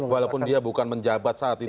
walaupun dia bukan menjabat saat ini